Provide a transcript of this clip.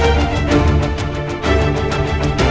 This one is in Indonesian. mama nggak percaya